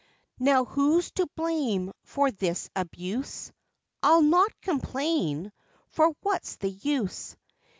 Now who's to blame for this abuse I'll not complain, for what's the use.